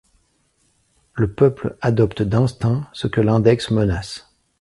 Le peuple adopte d’instinct ce que l’index menace.